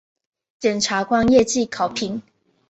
检察官业绩考评